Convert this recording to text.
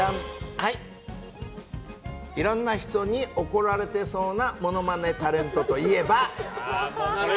色んな人に怒られてそうなものまねタレントといえば？